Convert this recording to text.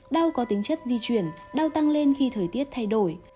đau có tính chất di chuyển đau tăng lên khi thời tiết thay đổi